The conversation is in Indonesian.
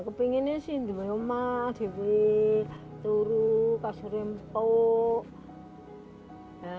kepengennya sinduwe omah dewi turu kasur rempok